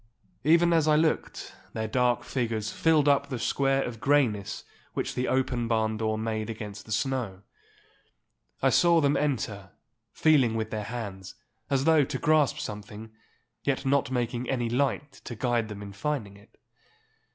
Even as I looked, their dark figures filled up the square of greyness which the open barn door made against the snow. I saw them enter, feeling with their hands, as though to grasp something, yet not making any light to guide them in finding it.